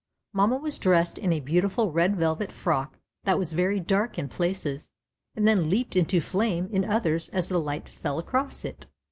Mamma was dressed in a beautiful red velvet frock that was very dark in places, and then leaped into flame in others as the light fell across it.